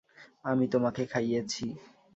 আমি তোমাকে খাইয়েছি।